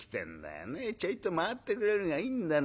ちょいと回ってくれるがいいんだよ